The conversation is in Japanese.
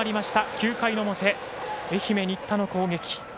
９回の表、愛媛・新田の攻撃。